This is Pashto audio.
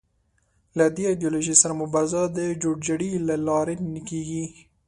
له دې ایدیالوژۍ سره مبارزه د جوړ جاړي له لارې نه کېږي